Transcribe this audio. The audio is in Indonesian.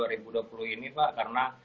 dua ribu dua puluh ini pak karena